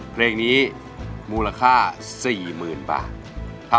เพลงนี้มูลค่า๔๐๐๐บาท